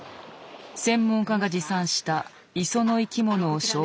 専門家が持参した磯の生き物を紹介していく。